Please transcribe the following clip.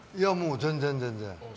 全然、全然。